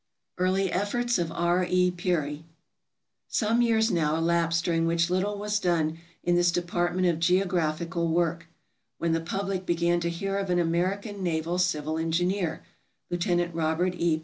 Early Efforts of R. E. Peary Some years now elapsed during which little was done in this department of geographical work, when the public began to hear of an American naval civil engineer, Lieut. Robert E.